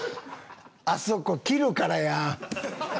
あそこ切るからや。